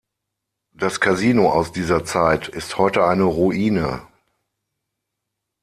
Das Casino aus dieser Zeit ist heute eine Ruine.